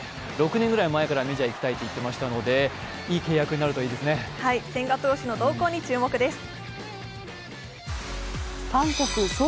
６年ぐらい前からメジャー行きたいと言っていましたので、いい契約になるといいですね。